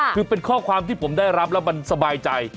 คือเป็นข้อความที่ผมได้รับแล้วมันสบายใจ